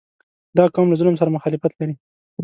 • دا قوم له ظلم سره مخالفت لري.